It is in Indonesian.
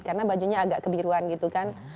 karena bajunya agak kebiruan gitu kan